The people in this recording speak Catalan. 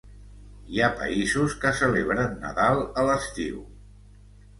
Hi ha països que celebren Nadal a l'estiu.